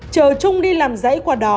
chờ chung đi làm dãy qua đó